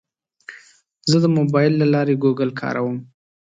زه د موبایل له لارې ګوګل کاروم.